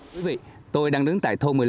quý vị tôi đang đứng tại thôn một mươi năm